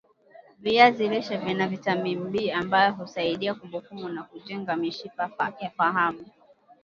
viazi lishe Vina vitamini B ambayo husaidia kumbukumbu na kujenga mishipa ya fahamu